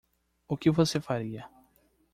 O que você faria?